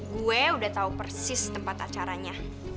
gue udah tahu persis tempat acaranya